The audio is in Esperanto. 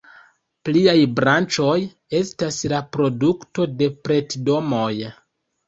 Pliaj branĉoj estas la produkto de pret-domoj.